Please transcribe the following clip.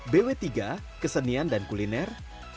bw tiga kesenian dan kuliner